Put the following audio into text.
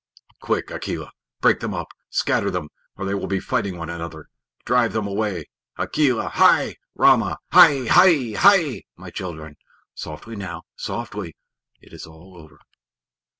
"Quick, Akela! Break them up. Scatter them, or they will be fighting one another. Drive them away, Akela. Hai, Rama! Hai, hai, hai! my children. Softly now, softly! It is all over."